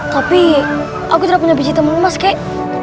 tapi aku tidak punya biji timun emas kak